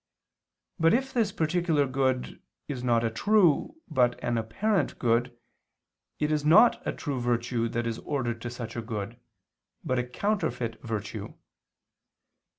But if this particular good is not a true, but an apparent good, it is not a true virtue that is ordered to such a good, but a counterfeit virtue.